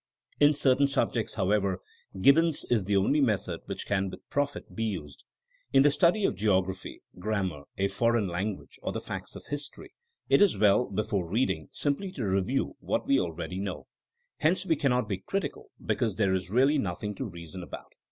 In certain subjects, however. Gibbon ^s is the only method which can with profit be used. In the study of geography, grammar, a foreign language, or the facts of history, it is well, be fore reading, simply to review what we already know. Here we cannot be critical because there is really nothing to reason about.